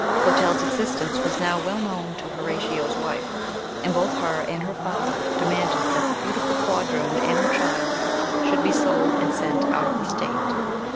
Clotel's existence was now well known to Horatio's wife, and both her and her father demanded that the beautiful quadroon and her child should be sold and sent out of the state.